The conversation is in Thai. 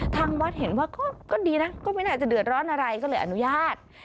ทางวัดเห็นว่าก็ดีนะก็ไม่น่าจะเดือดร้อนอะไรก็เลยอนุญาต